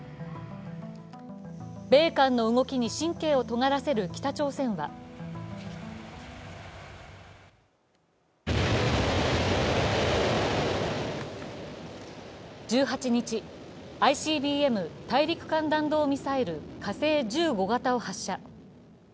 米韓の動きに神経をとがらせる北朝鮮は１８日、ＩＣＢＭ＝大陸間弾道ミサイル火星１５型を発射。